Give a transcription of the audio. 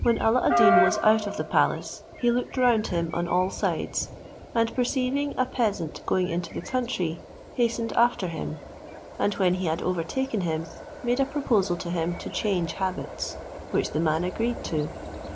When Alla ad Deen was out of the palace, he looked round him on all sides, and perceiving a peasant going into the country, hastened after him; and when he had overtaken him, made a proposal to him to change habits, which the man agreed to.